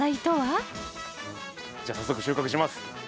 じゃ早速収穫します。